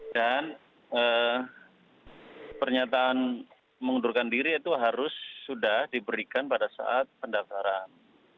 dan pernyataan mengundurkan diri itu harus sudah diberikan pada saat pendapatan